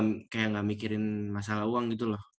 kayak gak mikirin masalah uang gitu loh